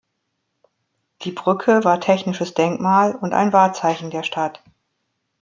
Die Brücke war technisches Denkmal und ein Wahrzeichen der Stadt.